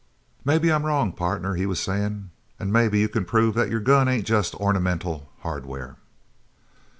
"Maybe I'm wrong, partner," he was saying, "an' maybe you c'n prove that your gun ain't jest ornamental hardware?"